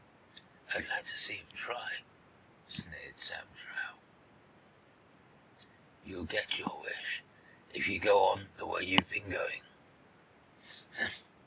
"I'd like to see him try it," sneered Sam Truax. "You'll get your wish, if you go on the way you've been going!"